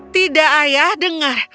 tidak ayah dengar